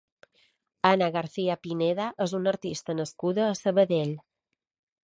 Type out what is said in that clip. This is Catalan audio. Ana García-Pineda és una artista nascuda a Sabadell.